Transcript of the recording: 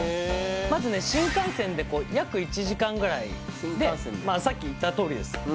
まずね新幹線で約１時間ぐらいでまあさっき言ったとおりです